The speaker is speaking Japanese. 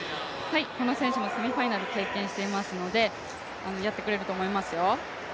この選手もセミファイナル経験していますので、やってくれると思いますよ。